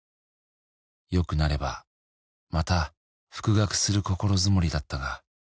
「よくなればまた復学する心づもりだったが」